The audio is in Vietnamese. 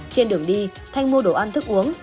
trên đường đi thanh mua đồ ăn thức uống